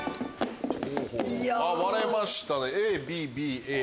割れましたね。